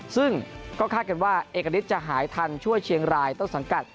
ซึ่งก็คาดกันว่าเอกณิตจะหายทันช่วยเชียงรายต้นสังกัด